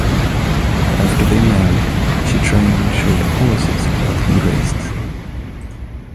After they married, she trained and showed horses while he raced.